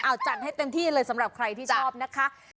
เอาจัดให้เต็มที่เลยสำหรับใครที่ชอบนะคะ